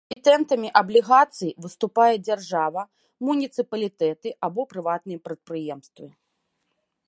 Эмітэнтамі аблігацый выступае дзяржава, муніцыпалітэты або прыватныя прадпрыемствы.